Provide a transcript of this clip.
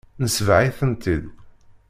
Nesbeɣ-itent-id.